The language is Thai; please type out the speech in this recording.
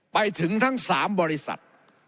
ไปถึงทั้ง๓บริษัท